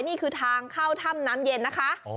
นี่คือทางเข้าถ้ำน้ำเย็นนะคะ